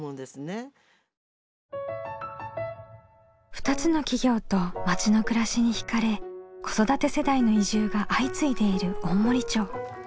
２つの企業と町の暮らしにひかれ子育て世代の移住が相次いでいる大森町。